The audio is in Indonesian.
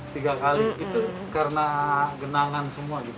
tiga kali itu karena genangan semua gitu